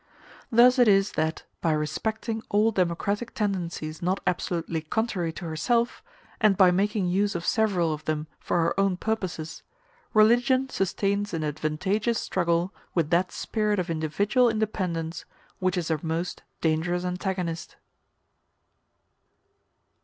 Thus it is that, by respecting all democratic tendencies not absolutely contrary to herself, and by making use of several of them for her own purposes, religion sustains an advantageous struggle with that spirit of individual independence which is her most dangerous antagonist.